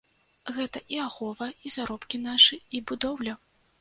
Гэта і ахова, і заробкі нашы, і будоўля.